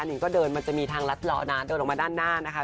นิงก็เดินมันจะมีทางลัดเลาะนะเดินออกมาด้านหน้านะคะ